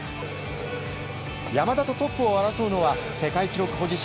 山田とトップを争うのは世界記録保持者